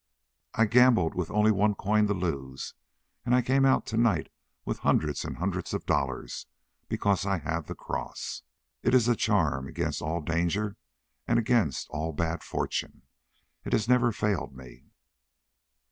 "I gambled with only one coin to lose, and I came out tonight with hundreds and hundreds of dollars because I had the cross. It is a charm against all danger and against all bad fortune. It has never failed me."